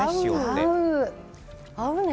合うね。